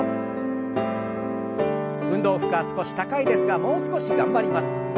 運動負荷少し高いですがもう少し頑張ります。